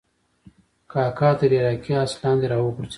کاکا تر عراقي آس لاندې راوغورځېد.